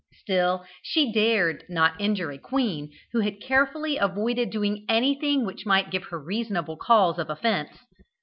Still, she dared not injure a queen who had carefully avoided doing anything which might give her reasonable cause of offence.